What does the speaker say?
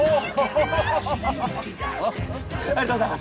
ハハハありがとうございます！